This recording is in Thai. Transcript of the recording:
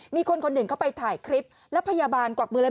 มีคนคนหนึ่งเข้าไปถ่ายคลิปแล้วพยาบาลกวักมือเลย